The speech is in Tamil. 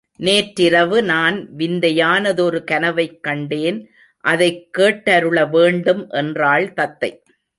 நேற்றிரவு நான் விந்தையானதொரு கனவைக் கண்டேன் அதைக் கேட்டருள வேண்டும் என்றாள் தத்தை.